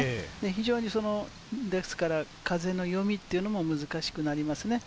非常に風の読みっていうのも難しくなりますね。